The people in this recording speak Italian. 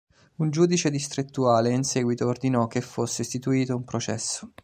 Un giudice distrettuale in seguito ordinò che fosse istituito un processo.